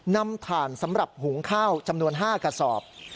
ถ่านสำหรับหุงข้าวจำนวน๕กระสอบ